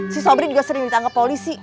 si sobri juga sering minta anggap polisi